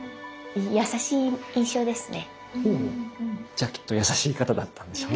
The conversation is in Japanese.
じゃあきっと優しい方だったんでしょうね。